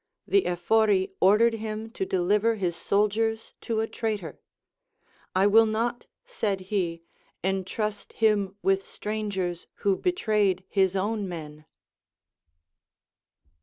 The Ephori ordered him to deliver his soldiers to a traitor. I will not, said he, entrust him with strangers, who betrayed his own men.